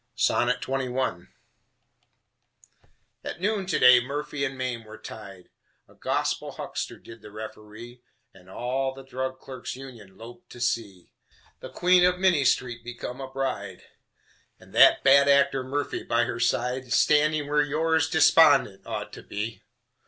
XXI At noon to day Murphy and Mame were tied. A gospel huckster did the referee, And all the Drug Clerks' Union loped to see The queen of Minnie Street become a bride, And that bad actor, Murphy, by her side, Standing where Yours Despondent ought to be.